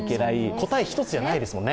答え、１つじゃないですもんね。